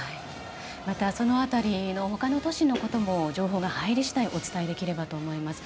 またその辺りの他の都市のことも情報が入り次第お伝えできればと思います。